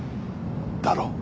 だろ？